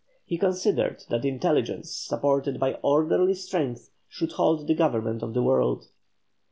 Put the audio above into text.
He considered that intelligence supported by orderly strength should hold the government of the world.